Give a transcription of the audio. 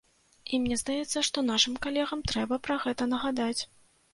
І мне здаецца, што нашым калегам трэба пра гэта нагадаць.